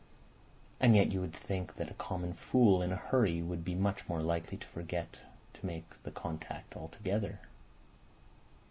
And yet you would think that a common fool in a hurry would be much more likely to forget to make the contact altogether.